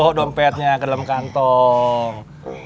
masukin dulu bro dompetnya ke dalam kantong